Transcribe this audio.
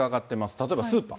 例えばスーパー。